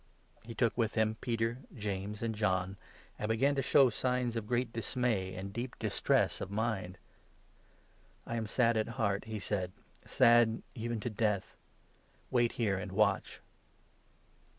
He took with him Peter, James, and John, and began to show 33 signs of great dismay and deep distress of mind. "I am sad at heart," he said, "sad even to death ; wait 34 here, and watch."